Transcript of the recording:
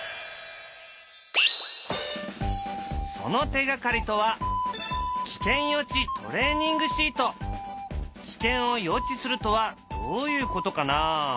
その手がかりとは危険を予知するとはどういうことかな？